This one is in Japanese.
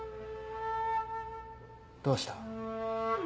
どうした？